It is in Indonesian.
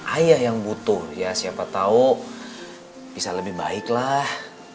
ayah yang butuh ya siapa tahu bisa lebih baik lah